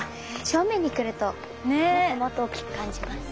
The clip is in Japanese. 正面に来るともっともっと大きく感じます。